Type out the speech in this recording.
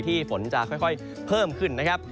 ฝนจะค่อยเพิ่มขึ้นนะครับ